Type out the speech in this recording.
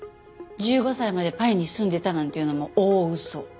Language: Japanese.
１５歳までパリに住んでたなんていうのも大嘘。